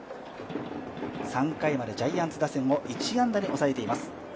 ３回までジャイアンツ打線を１安打に抑えています。